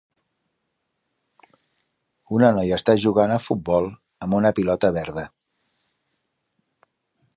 Una noia està jugant a futbol amb una pilota verda.